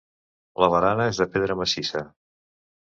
La barana és de pedra massissa.